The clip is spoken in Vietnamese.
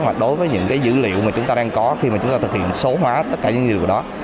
mà đối với những cái dữ liệu mà chúng ta đang có khi mà chúng ta thực hiện số hóa tất cả những dữ liệu đó